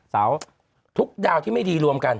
เสาร์ทุกดาวที่ไม่ดีรวมกัน